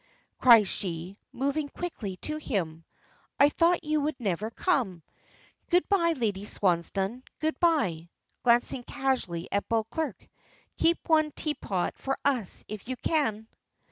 cries she, moving quickly to him. "I thought you would never come. Good bye, Lady Swansdown; good bye," glancing casually at Beauclerk. "Keep one teapot for us if you can!"